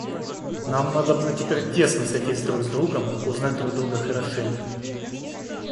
Нам надобно теперь тесно сойтись друг с другом, узнать друг друга хорошенько.